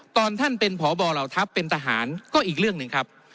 ตอนท่านเป็นพบเหล่าทัพเป็นทหารก็อีกเรื่องหนึ่งครับ